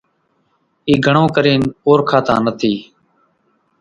اِي گھڻون ڪرينَ اورکاتان نٿِي۔